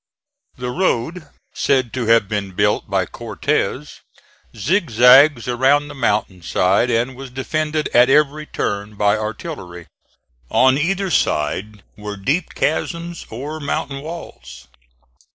The road, said to have been built by Cortez, zigzags around the mountain side and was defended at every turn by artillery. On either side were deep chasms or mountain walls.